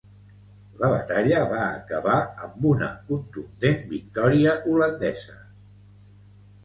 La batalla va acabar amb una contundent victòria holandesa.